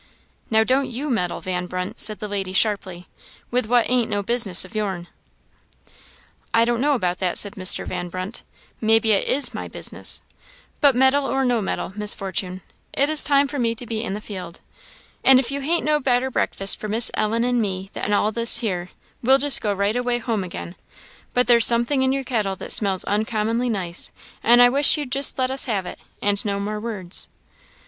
"Now, don't you meddle, Van Brunt," said the lady, sharply, "with what ain't no business o' yourn." "I don't know about that," said Mr. Van Brunt "maybe it is my business; but meddle or no meddle, Miss Fortune, it is time for me to be in the field; and if you han't no better breakfast for Miss Ellen and me than all this here, we'll just go right away hum again; but there's something in your kettle there that smells uncommonly nice, and I wish you'd just let us have it, and no more words."